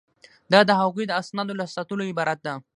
دا د هغوی د اسنادو له ساتلو عبارت ده.